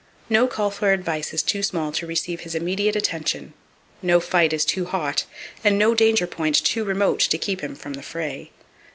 No call for advice is too small to receive his immediate attention, no fight is too hot and no danger point too remote to keep him from the fray.